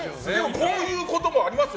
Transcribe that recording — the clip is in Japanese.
こういうこともありますよ。